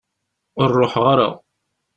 Ur ruḥeɣ ara.